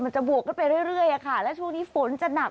จะบวกขึ้นไปเรื่อยค่ะแล้วช่วงนี้ฝนจะหนัก